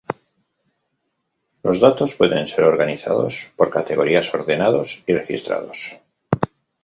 Los datos pueden ser organizados por categorías, ordenados y registrados.